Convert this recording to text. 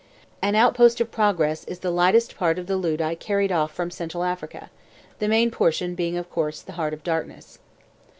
An Outpost of Progress is the lightest part of the loot I carried off from Central Africa, the main portion being of course The Heart of Darkness.